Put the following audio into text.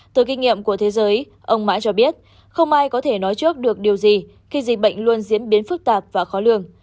từ kinh nghiệm của thế giới ông mã cho biết không ai có thể nói trước được điều gì khi dịch bệnh luôn diễn biến phức tạp và khó lường